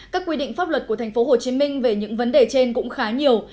các quy định pháp luật của tp hcm về những vấn đề trên cũng khá nhiều